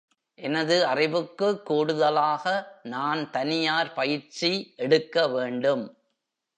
எனது அறிவுக்கு கூடுதலாக நான் தனியார் பயிற்சி எடுக்க வேண்டும்.